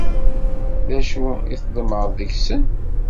D acu i tḍemεeḍ deg-sen?